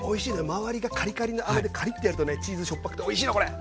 周りがカリカリのあめでカリッとやるとねチーズしょっぱくておいしいのこれ！